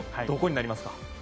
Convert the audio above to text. どこになりますか？